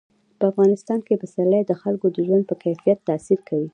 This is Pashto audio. په افغانستان کې پسرلی د خلکو د ژوند په کیفیت تاثیر کوي.